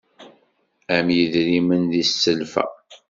Am idrimen di sselfa.